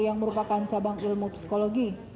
yang merupakan cabang ilmu psikologi